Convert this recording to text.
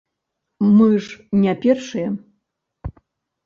Мы ж не першыя.